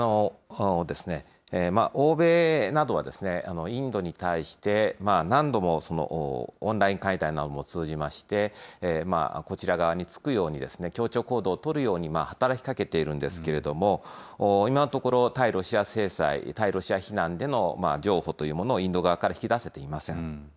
欧米などは、インドに対して何度もオンライン会談なども通じまして、こちら側につくように協調行動を取るように働きかけているんですけれども、今のところ、対ロシア制裁、対ロシア非難での譲歩というものをインド側から引き出せていません。